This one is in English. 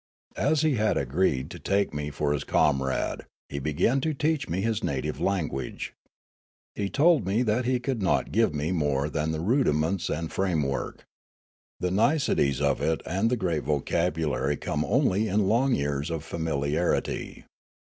As he had agreed to take me for his comrade, he began to teach me his native language. He told me he could not give me more than the rudiments and framework. The niceties of it and the great vocabulary come only in long years of familiarity.